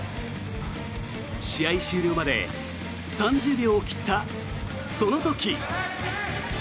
試合終了まで３０秒を切ったその時。